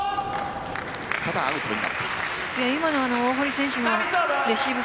ただ、アウトになっています。